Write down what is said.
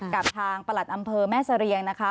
กับทางประหลัดอำเภอแม่เสรียงนะคะ